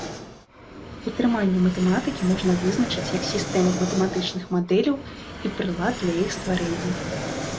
Утрыманне матэматыкі можна вызначыць як сістэму матэматычных мадэляў і прылад для іх стварэння.